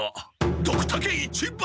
ドクタケ一番！